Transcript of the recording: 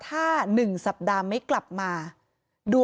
มีเรื่องอะไรมาคุยกันรับได้ทุกอย่าง